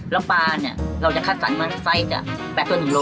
แล้วปลาเราจะคัดสรรค์มารถไซส์ก็๘ตัวหนึ่งโล